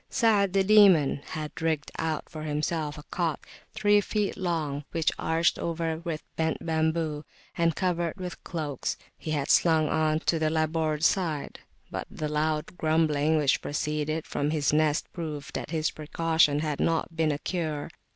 Sa'ad the Demon had rigged out for himself a cot three feet long, which, arched over with bent bamboo, and covered with cloaks, he had slung on to the larboard side; but the loud grumbling which proceeded from his nest proved that his precaution had not been a cure.